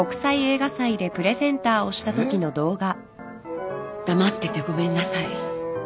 黙っててごめんなさい。